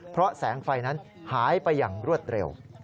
เพราะแสงไฟนั้นหายไปอย่างรวดเร็ว